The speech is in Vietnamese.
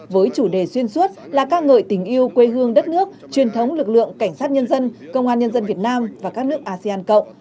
với chủ đề xuyên suốt là ca ngợi tình yêu quê hương đất nước truyền thống lực lượng cảnh sát nhân dân công an nhân dân việt nam và các nước asean cộng